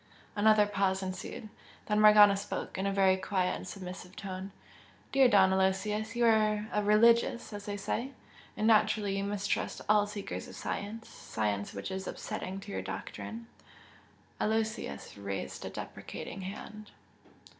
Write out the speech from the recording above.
Another pause ensued. Then Morgana spoke, in a very quiet and submissive tone. "Dear Don Aloysius, you are a 'religious' as they say and naturally you mistrust all seekers of science science which is upsetting to your doctrine." Aloysius raised a deprecating hand.